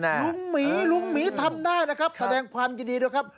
ลุงหมีลุงหมีทำได้นะครับแสดงความยินดีด้วยครับ